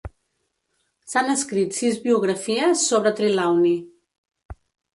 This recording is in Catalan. S'han escrit sis biografies sobre Trelawny.